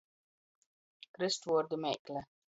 Krystvuordu meikle.